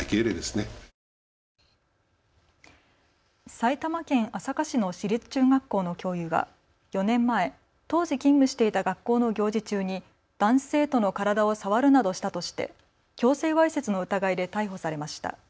埼玉県朝霞市の市立中学校の教諭が４年前、当時勤務していた学校の行事中に男子生徒の体を触るなどしたとして強制わいせつの疑いで逮捕されました。